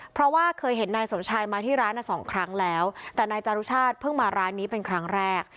เพราะว่าเคยเห็นนายสมชายมาที่ร้านสองครั้งแล้วแต่นายจารุชาติเพิ่งมาร้านนี้เป็นครั้งแรก